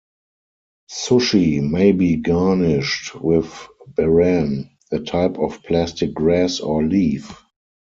Sushi may be garnished with "baran", a type of plastic grass or leaf.